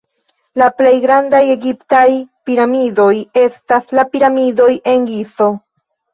La plej grandaj egiptaj piramidoj estas la piramidoj en Gizo.